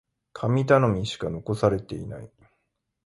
神頼みしか残されていない。